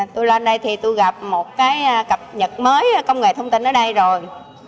tôi lên đây thì tôi gặp một cái cập nhật mới công nghệ thông tin ở đây rồi